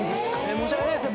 ⁉申し訳ないですね。